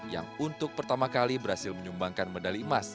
yang untuk pertama kali berhasil menyumbangkan medali emas